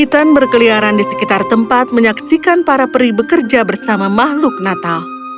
ethan berkeliaran di sekitar tempat menyaksikan para peri bekerja bersama makhluk natal